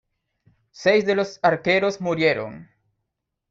Seis de los arqueros murieron.